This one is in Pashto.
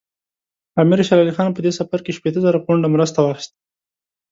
امیر شېر علي خان په دې سفر کې شپېته زره پونډه مرسته واخیسته.